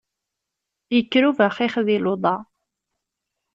Yekker ubaxix di luḍa!